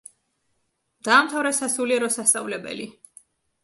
დაამთავრა სასულიერო სასწავლებელი.